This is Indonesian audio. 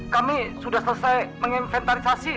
kami sudah selesai menginventarisasi